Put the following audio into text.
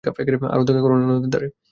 আরে দেখা করো না, নদীর ধারে?